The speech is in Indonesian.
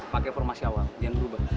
pakai formasi awal yang berubah